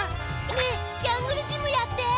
ねえジャングルジムやって！